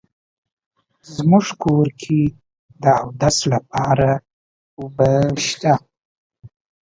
زمونږ کور کې د اودس لپاره اوبه شته